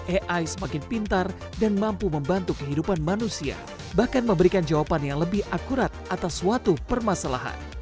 ai semakin pintar dan mampu membantu kehidupan manusia bahkan memberikan jawaban yang lebih akurat atas suatu permasalahan